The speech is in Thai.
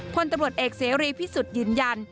พลตำรวจเอกเสรีพิสุทธิ์ยืนยัน